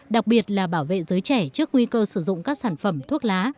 đặc biệt là bảo vệ giới trẻ trước nguy cơ sử dụng các sản phẩm thuốc lá